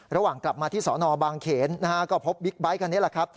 ระหว่างกลับมาที่สอนอบางเขนก็พบบิ๊กไบท์คันนี้